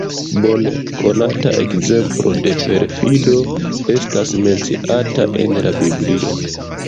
Bone konata ekzemplo de perfido estas menciata en la biblio.